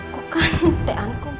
kok kan tehanku